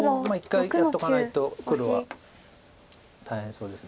１回やっとかないと黒は大変そうです。